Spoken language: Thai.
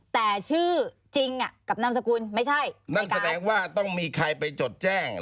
แต่ชื่อจริงอ่ะกับนามสกุลไม่ใช่นั่นแสดงว่าต้องมีใครไปจดแจ้ง